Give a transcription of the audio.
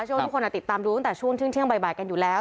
โชคทุกคนอ่ะติดตามดูตั้งแต่ช่วงเที่ยงเที่ยงบ่ายบ่ายกันอยู่แล้ว